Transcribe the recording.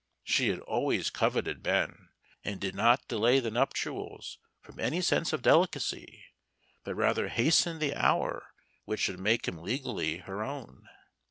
She had always coveted Ben, and did not delay the nuptials from any sense of delicacy, but rather hastened the hour which should make him legally her own.